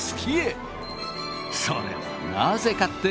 それはなぜかって？